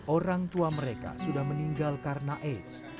orang tua mereka sudah meninggal karena aids